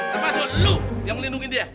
lepas lo lo yang melindungi dia